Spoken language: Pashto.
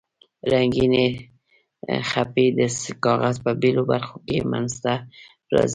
رنګینې خپې د کاغذ په بیلو برخو کې منځ ته راځي.